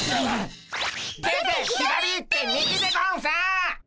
出て左行って右！でゴンス！